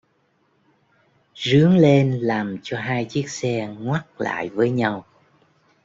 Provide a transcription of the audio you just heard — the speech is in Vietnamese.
rướn lên làm cho hai chiếc xe ngoắc lại với nhau